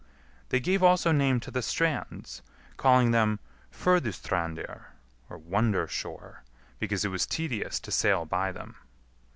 They gave also name to the strands, calling them Furdustrandir (wonder shore), because it was tedious to sail by them.